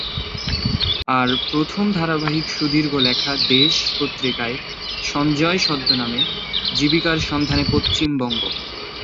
আর প্রথম ধারাবাহিক সুদীর্ঘ লেখা 'দেশ' পত্রিকায় সঞ্জয় ছদ্মনামে 'জীবিকার সন্ধানে পশ্চিমবঙ্গ'।